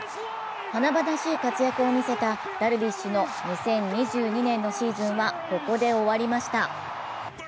華々しい活躍を見せたダルビッシュの２０２２年のシーズンはここで終わりました。